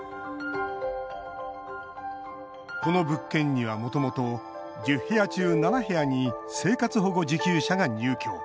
この物件には、もともと１０部屋中７部屋に生活保護受給者が入居。